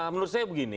menurut saya begini